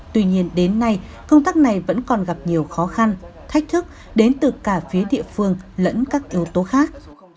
tuy nhiên đến nay công tác này vẫn còn gặp nhiều khó khăn thách thức đến từ cả phía địa phương lẫn các yếu tố khác